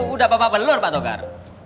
udah bapak belur pak tokar